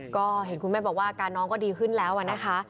ก็เห็นคุณแม่บอกว่าอาการน้องก็ดีขึ้นแล้วนะคะ